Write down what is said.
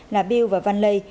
là bill và vanley